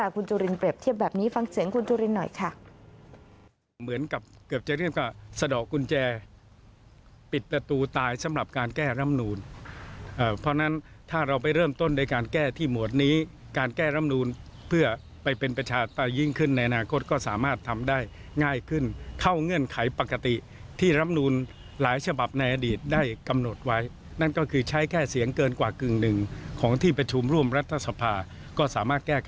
คุณจุลินเปรียบเทียบแบบนี้ฟังเสียงคุณจุรินหน่อยค่ะ